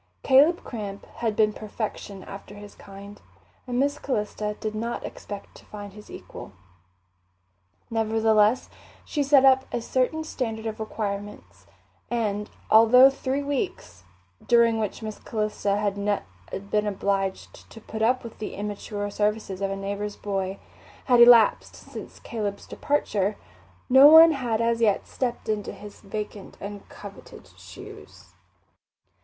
Caleb Cramp had been perfection after his kind, and Miss Calista did not expect to find his equal. Nevertheless, she set up a certain standard of requirements; and although three weeks, during which Miss Calista had been obliged to put up with the immature services of a neighbour's boy, had elapsed since Caleb's departure, no one had as yet stepped into his vacant and coveted shoes.